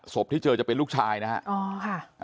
ที่เจอจะเป็นลูกชายนะฮะ